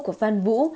của phan vũ